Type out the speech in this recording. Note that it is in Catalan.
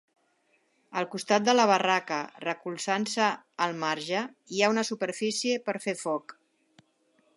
Al costat de la barraca, recolzant-se al marge, hi ha una superfície per fer foc.